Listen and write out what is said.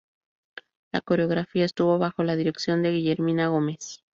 La coreografía estuvo bajo la dirección de Guillermina Gómez.